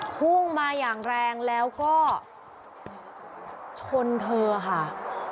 พุ่งมาอย่างแรงแล้วก็ชนเธอค่ะ